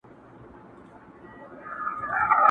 د غوجلې صحنه يادېږي بيا بيا,